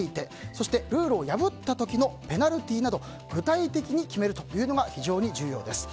そして、ルールを破った時のペナルティーなどを具体的に決めるというのが非常に重要です。